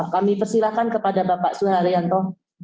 kami persilahkan kepada bapak jendrasul haryanto